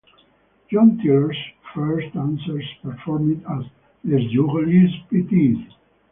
John Tiller's first dancers performed as 'Les Jolies Petites'.